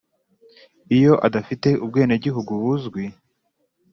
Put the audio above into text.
Iyo adafite ubwenegihugu buzwi